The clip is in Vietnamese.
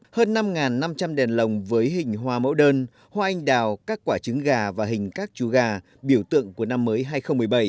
hơn năm năm trăm linh đèn lồng với hình hoa mẫu đơn hoa anh đào các quả trứng gà và hình các chú gà biểu tượng của năm mới hai nghìn một mươi bảy